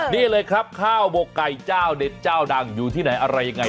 นี่เลยครับข้าวหมกไก่เจ้าเด็ดเจ้าดังอยู่ที่ไหนอะไรยังไง